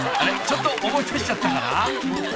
ちょっと思い出しちゃったかな？］